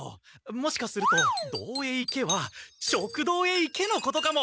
もしかすると「どうへいけ」は「食堂へ行け」のことかも！